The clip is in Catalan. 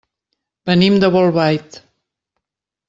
Venim de Bolbait.